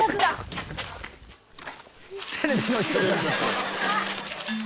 「テレビの人だ」。